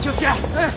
うん。